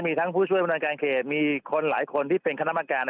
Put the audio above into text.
มีทั้งผู้ช่วยบริการเขตมีคนหลายคนที่เป็นคณะกรรมการ